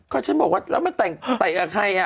ก็ฉันบอกว่าเราไม่ต่างแตะกับใคร